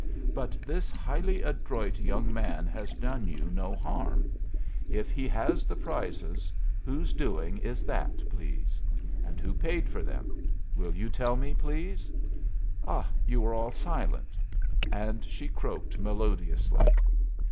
But this highly adroit young man has done you no harm. If he has the prizes, whose doing is that, please? And who paid for them? Will you tell me, please? Ah, you are all silent!" And she croaked melodiously.